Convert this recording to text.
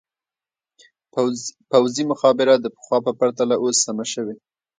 پوځي مخابره د پخوا په پرتله اوس سمه شوې.